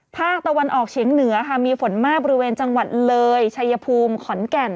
ภาคตะวันออกเฉียงเหนือค่ะมีฝนมากบริเวณจังหวัดเลยชัยภูมิขอนแก่น